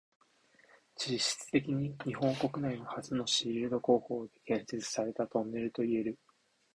実質的に日本国内初のシールド工法で建設されたトンネルといえる。